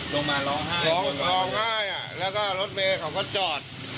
ลงมาร้องไห้ร้องร้องไห้แล้วก็รถเมย์เขาก็จอด